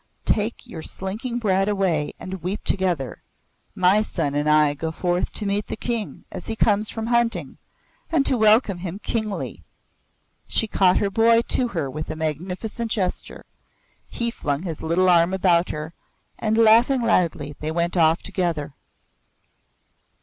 Take your slinking brat away and weep together! My son and I go forth to meet the King as he comes from hunting, and to welcome him kingly!" She caught her boy to her with a magnificent gesture; he flung his little arm about her, and laughing loudly they went off together.